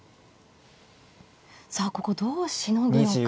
さあここどうしのぐのか。